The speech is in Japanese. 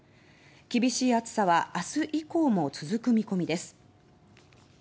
厳しい暑さは明日以降も続く見込みです。